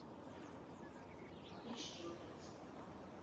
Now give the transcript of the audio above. Man ir šķiltavas.